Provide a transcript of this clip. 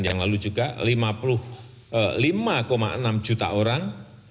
yang lalu juga lima puluh lima enam juta orang